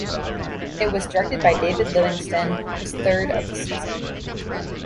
It was directed by David Livingston, his third of the season.